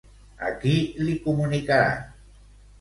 A qui li comunicaran?